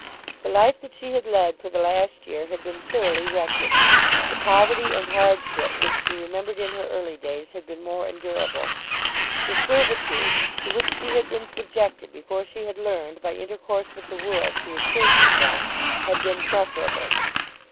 The life that she had led for the last year had been thoroughly wretched. The poverty and hardship which she remembered in her early days had been more endurable. The servitude to which she had been subjected before she had learned by intercourse with the world to assert herself, had been preferable.